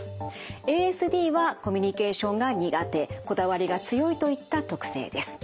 ＡＳＤはコミュニケーションが苦手こだわりが強いといった特性です。